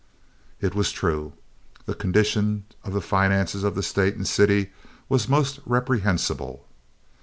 It was true. The condition of the finances of the state and city was most reprehensible.